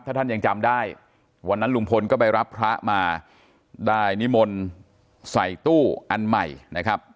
ถ้าท่านยังจำได้วันนั้นลุงพลก็ไปรับพระมาได้นิมนต์ใส่ตู้อันใหม่นะครับ